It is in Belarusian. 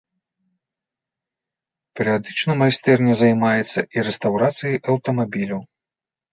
Перыядычна майстэрня займаецца і рэстаўрацыяй аўтамабіляў.